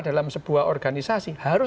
dalam sebuah organisasi harus